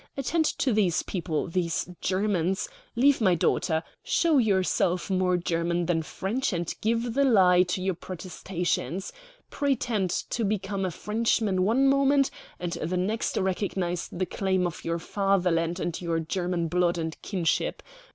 Attend to these people these Germans leave my daughter. Show yourself more German than French, and give the lie to your protestations. Pretend to become a Frenchman one moment and the next recognize the claim of your Fatherland and your German blood and kinship.